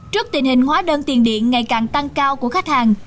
trước tình hình hóa đơn tiền điện ngày càng tăng cao của khách hàng